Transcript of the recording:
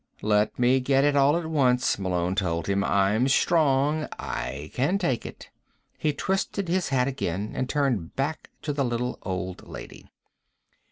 "Let me get it all at once," Malone told him. "I'm strong. I can take it." He twisted his hat again and turned back to the little old lady.